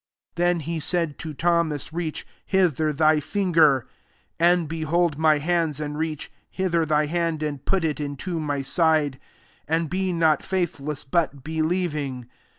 27 Then he said to Tho mas, " Reach hither thy finger, and behold my hands; and reach hither thy hand, and put it into my side ; and be not faithless, but believing."